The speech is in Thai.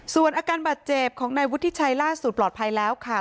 ส่วนอาการบาดเจ็บของนายวุฒิชัยล่าสุดปลอดภัยแล้วค่ะ